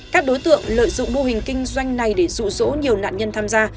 các đối tượng lợi dụng mô hình kinh doanh này để rụ rỗ nhiều nạn nhân tham gia